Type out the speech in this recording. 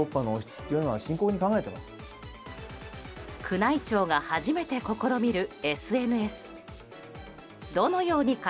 宮内庁が初めて試みるＳＮＳ。